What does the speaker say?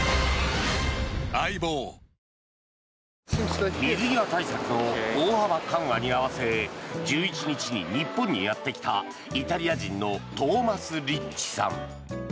生命水際対策の大幅緩和に合わせ１１日に日本にやってきたイタリア人のトーマス・リッチさん。